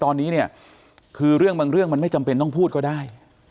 ตอนนี้เนี่ยคือเรื่องบางเรื่องมันไม่จำเป็นต้องพูดก็ได้